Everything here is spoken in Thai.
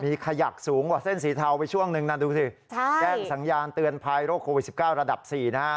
มีขยักสูงกว่าเส้นสีเทาไปช่วงนึงนะดูสิแจ้งสัญญาณเตือนภัยโรคโควิด๑๙ระดับ๔นะฮะ